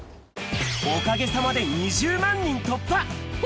おかげさまで２０万人突破！